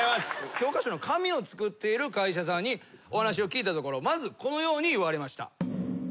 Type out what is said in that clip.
教科書の紙を作っている会社さんにお話を聞いたところまずこのように言われました。